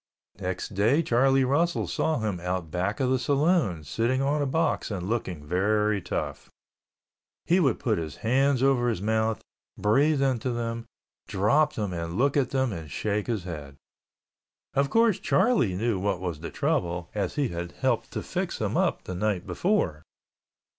Next day Charlie Russell saw him out back of the saloon, sitting on a box and looking very tough. He would put his hands over his mouth, breath into them, drop them and look at them and shake his head. Of course, Charlie knew what was the trouble as he had helped to fix him up the night before.